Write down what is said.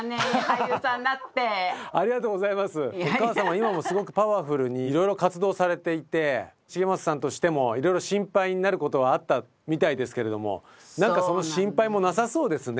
今もすごくパワフルにいろいろ活動されていて繁正さんとしてもいろいろ心配になることはあったみたいですけれども何かその心配もなさそうですね。